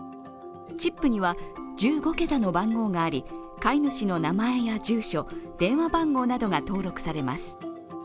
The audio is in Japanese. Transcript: チップには１５桁の番号があり飼い主の名前や住所電話番号などが登録されます。